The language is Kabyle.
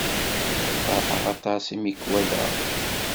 Feṛḥeɣ aṭas i mi k-walaɣ.